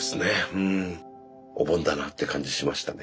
うん。お盆だなって感じしましたね。